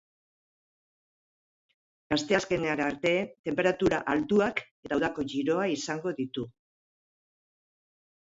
Asteazkenera arte, tenperatura altuak eta udako giroa izango ditugu.